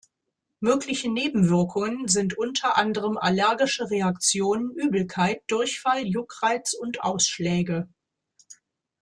Mögliche Nebenwirkungen sind unter anderem Allergische Reaktionen, Übelkeit, Durchfall, Juckreiz und Ausschläge.